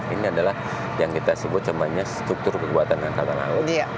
ini adalah yang kita sebut namanya struktur kekuatan angkatan laut